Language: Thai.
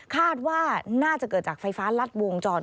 คาดว่าน่าจะเกิดจากไฟฟ้ารัดวงจร